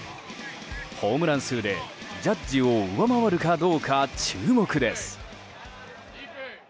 ホームラン数で、ジャッジを上回るかどうか注目です。